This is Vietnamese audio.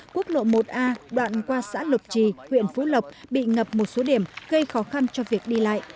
quốc lộ một a đoạn qua xã lục trì huyện phú lộc bị ngập một số điểm gây khó khăn cho việc đi lại